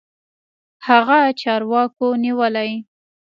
هغه چارواکو نيولى.